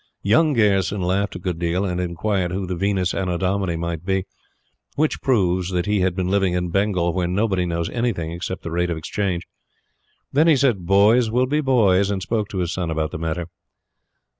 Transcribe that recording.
"Young" Gayerson laughed a good deal, and inquired who the Venus Annodomini might be. Which proves that he had been living in Bengal where nobody knows anything except the rate of Exchange. Then he said "boys will be boys," and spoke to his son about the matter.